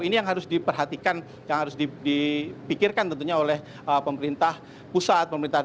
ini yang harus diperhatikan yang harus dipikirkan tentunya oleh pemerintah pusat pemerintahan